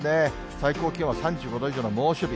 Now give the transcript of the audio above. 最高気温は３５度以上の猛暑日。